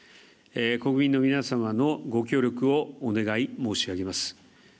国民の皆様のご協力をお願い申し上げます。